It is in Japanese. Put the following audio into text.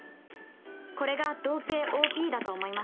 これが動径ＯＰだと思います。